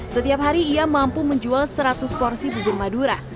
setiap hari ia mampu menjual seratus porsi bubur madura